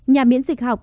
nhà miễn dịch học